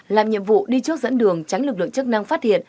làm nhiệm vụ đi trước dẫn đường tránh lực lượng chức năng phát hiện